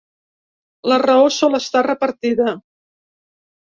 La raó sol estar repartida.